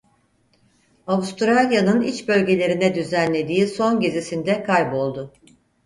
Avustralya'nın iç bölgelerine düzenlediği son gezisinde kayboldu.